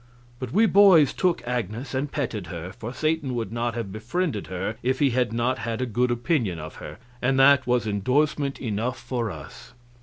But we boys took Agnes and petted her, for Satan would not have befriended her if he had not had a good opinion of her, and that was indorsement enough for us.